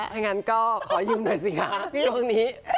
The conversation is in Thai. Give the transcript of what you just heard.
ถ้างั้นก็ขอยืมหน่อยสิคะช่วงนี้